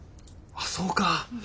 あっそうか。